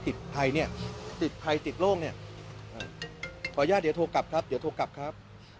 ติดภัยเนี่ยติดภัยติดโรคเนี่ยขออนุญาตเดี๋ยวโทรกลับครับ